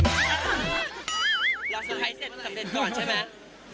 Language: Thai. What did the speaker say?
รอสไพร์เสร็จกำเด็ดก่อนใช่ไหม